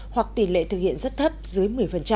hoặc tỷ lệ thực hiện rất thấp dưới một mươi